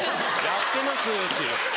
「やってます」っていう。